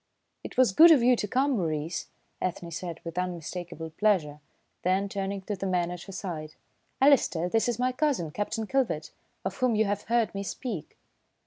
"It was good of you to come, Maurice," Ethne said with unmistakable pleasure, then, turning to the man at her side, "Alister, this is my cousin, Captain Kilvert, of whom you have heard me speak."